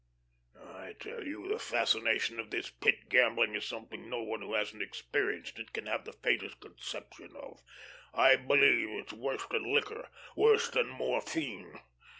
I tell you the fascination of this Pit gambling is something no one who hasn't experienced it can have the faintest conception of. I believe it's worse than liquor, worse than morphine.